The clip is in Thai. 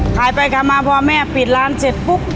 ขายไปขายมาพอแม่ปิดร้านเสร็จปุ๊บ